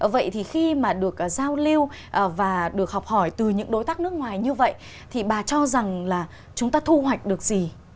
vậy thì khi mà được giao lưu và được học hỏi từ những đối tác nước ngoài như vậy thì bà cho rằng là chúng ta thu hoạch được gì